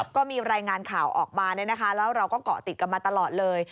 ก็มีรายงานข่าวออกมาแล้วเราก็เกาะติดกันมาตลอดเลย